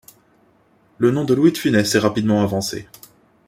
Le nom de Louis de Funès est rapidement avancé.